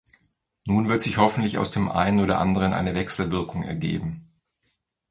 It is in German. Nun wird sich hoffentlich aus dem einen oder anderen eine Wechselwirkung ergeben.